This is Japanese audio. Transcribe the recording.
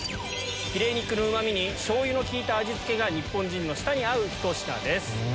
ヒレ肉のうまみに醤油の利いた味付けが日本人の舌に合うひと品です。